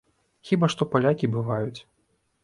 Хіба што палякі бываюць.